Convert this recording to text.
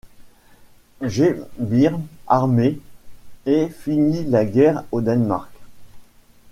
Gebirgs-Armee et finit la guerre au Danemark.